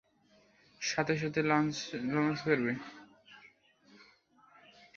সাথে সাথে লঞ্চ করবে।